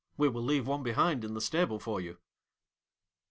We will leave one behind in the stable for you.'